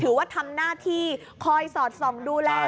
ถือว่าทำหน้าที่คอยสอดส่องดูแล